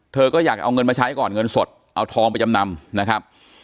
เธอก็อยากจะเอาเงินมาใช้ก่อนเงินสดเอาทองไปจำนำนะครับ